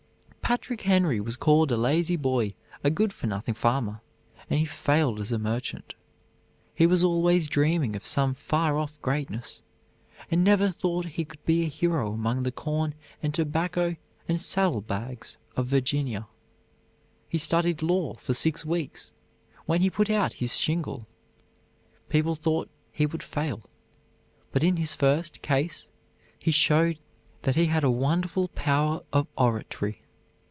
Patrick Henry was called a lazy boy, a good for nothing farmer, and he failed as a merchant. He was always dreaming of some far off greatness, and never thought he could be a hero among the corn and tobacco and saddlebags of Virginia. He studied law for six weeks; when he put out his shingle. People thought he would fail, but in his first case he showed that he had a wonderful power of oratory.